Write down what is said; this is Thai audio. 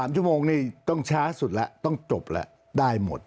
๓ชั่วโมงนี่ต้องช้าสุดแล้วต้องจบแล้วได้หมด